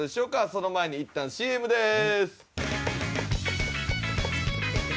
その前にいったんＣＭです。